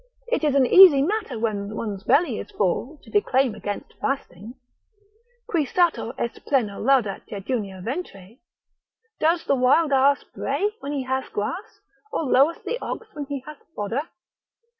It is an easy matter when one's belly is full to declaim against fasting, Qui satur est pleno laudat jejunia ventre; Doth the wild ass bray when he hath grass, or loweth the ox when he hath fodder?